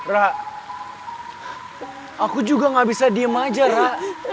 ra aku juga nggak bisa diem aja ra